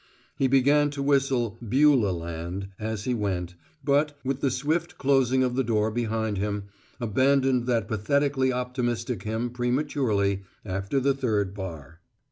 He began to whistle "Beulah Land" as he went, but, with the swift closing of the door behind him, abandoned that pathetically optimistic hymn prematurely, after the third bar.